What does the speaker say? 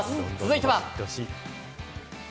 続いては。